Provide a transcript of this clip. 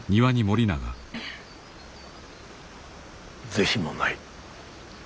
是非もない。